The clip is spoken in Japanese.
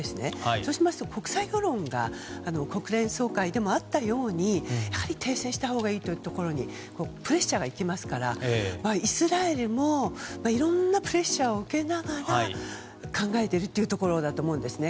そうしますと国際世論が国連総会でもあったように停戦したほうがいいというところにプレッシャーがいきますからイスラエルもいろんなプレッシャーを受けながら考えてるってところだと思うんですね。